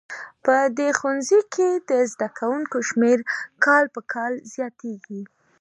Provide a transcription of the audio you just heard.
په دې ښوونځي کې د زده کوونکو شمېر کال په کال زیاتیږي